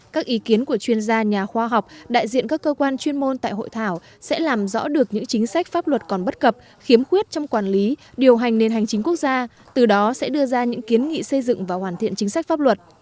các ý kiến của chuyên gia nhà khoa học đại diện các cơ quan chuyên môn tại hội thảo sẽ làm rõ được những chính sách pháp luật còn bất cập khiếm khuyết trong quản lý điều hành nền hành chính quốc gia từ đó sẽ đưa ra những kiến nghị xây dựng và hoàn thiện chính sách pháp luật